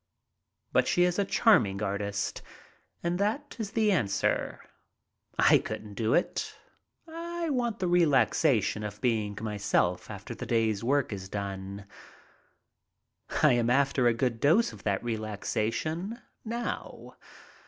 But she is a charming artist, and that is the answer, I couldn't do it. I want the relaxation of being myself after the day's work is done. I am after a good dose of that relaxation now.